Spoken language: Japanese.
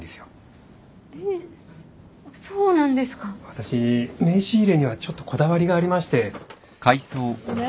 私名刺入れにはちょっとこだわりがありまして。